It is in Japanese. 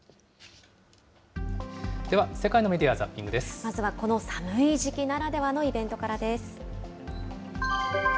では、まずはこの寒い時期ならではのイベントからです。